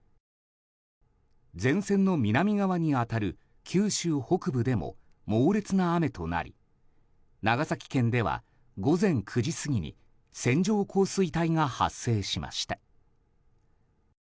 前線の南側に当たる九州北部でも猛烈な雨となり長崎県では、午前９時過ぎに線状降水帯が発生しました。